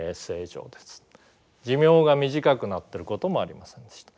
寿命が短くなってることもありませんでした。